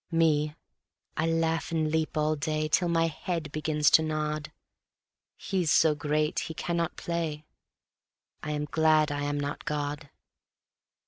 Me, I laugh and leap all day, Till my head begins to nod; He's so great, He cannot play: I am glad I am not God.